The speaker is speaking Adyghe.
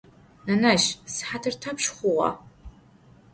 Nenezj, sıhatır thapşş xhuğa?